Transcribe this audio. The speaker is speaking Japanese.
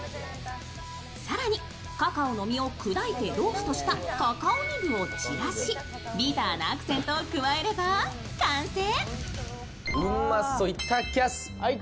更に、カカオの実を砕いてローストしたカカオニブを散らし、ビターなアクセントを加えれば完成。